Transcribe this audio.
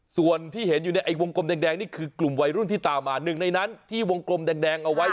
ส่วนที่เห็นอยู่ในไอวงกลมแดงนี่คือกลุ่มวัยรุ่นที่ตามมาหนึ่งในนั้นที่วงกลมแดงเอาไว้